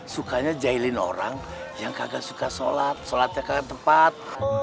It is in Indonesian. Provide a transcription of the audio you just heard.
sukanya jailin orang yang kagak suka sholat sholatnya kagak tepat